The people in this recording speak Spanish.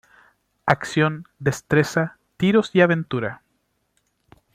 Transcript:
Acción, destreza, tiros y aventura.